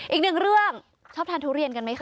อีกหนึ่งเรื่องชอบทานทุเรียนกันไหมคะ